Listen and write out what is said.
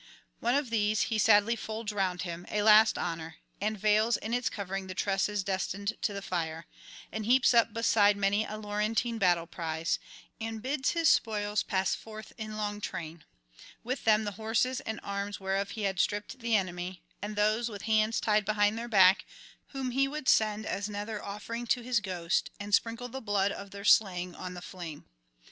One of these he sadly folds round him, a last honour, and veils in its covering the tresses destined to the fire; and heaps up besides many a Laurentine battle prize, and bids his spoils pass forth in long train; with them the horses and arms whereof he had stripped the enemy, and those, with hands tied behind their back, whom he would send as nether offering to his ghost, and sprinkle the blood of their slaying on the flame.